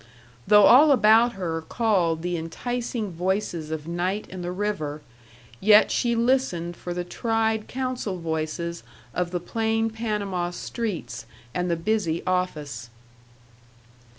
Though all about her called the enticing voices of night and the river, yet she listened for the tried counsel voices of the plain Panama streets and the busy office.